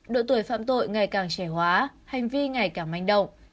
độ tuổi phạm tội ngày càng trẻ hóa hành vi ngày càng manh động